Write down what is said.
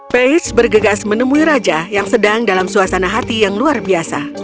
peis bergegas menemui raja yang sedang dalam suasana hati yang luar biasa